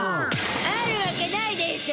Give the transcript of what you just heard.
あるわけないでしょ！